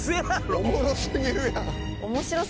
おもろ過ぎるやん。